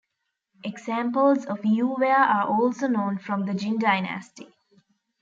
Examples of Yue ware are also known from the Jin dynasty.